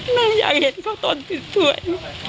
แม่อยากเห็นเขาตอนติดสวย